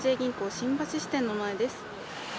新橋支店の前です。